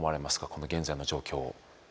この現在の状況。